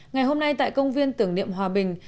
ngày hôm nay tại công viên tưởng niệm hòa bình